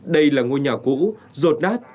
đây là ngôi nhà cũ rột nát